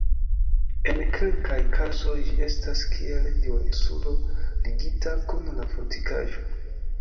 En kelkaj kazoj ĝi estas kiel duoninsulo ligita kun la fortikaĵo.